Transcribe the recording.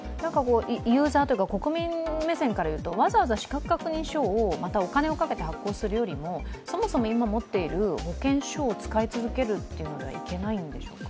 ユーザーというか国民目線からすると、わざわざ資格確認書をまたお金をかけて発行するよりもそもそも今持っている保険証を使い続けるっていうのではいけないんでしょうか？